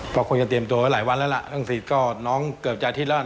เขาคงจะเตรียมตัวไว้หลายวันแล้วล่ะตั้งสิก็น้องเกือบใจทิศแล้ว